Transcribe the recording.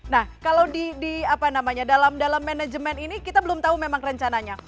nah kalau di apa namanya dalam manajemen ini kita belum tahu memang rencananya